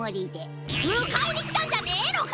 むかえにきたんじゃねえのか！？